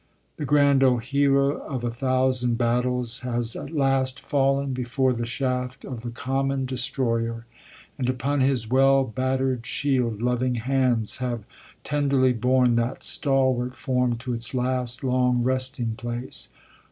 The grand old hero of a thousand battles has at last fallen before the shaft of the common destroyer, and upon his well battered shield loving hands have tenderly borne that stalwart form to its last, long resting place.